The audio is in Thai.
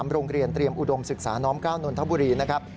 โรงเรียนเตรียมอุดมศึกษาน้อม๙นนทบุรีนะครับ